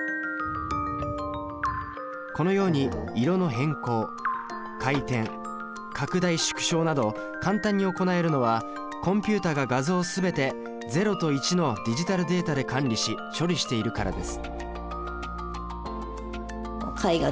このように色の変更回転拡大縮小などを簡単に行えるのはコンピュータが画像を全て０と１のディジタルデータで管理し処理しているからです。